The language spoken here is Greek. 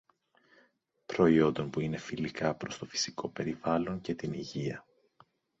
προϊόντων που είναι φιλικά προς το φυσικό περιβάλλον και την υγεία